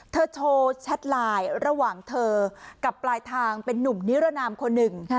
โชว์แชทไลน์ระหว่างเธอกับปลายทางเป็นนุ่มนิรนามคนหนึ่ง